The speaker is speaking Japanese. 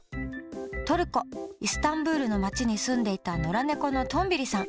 トルコ・イスタンブールの町に住んでいた野良猫のトンビリさん。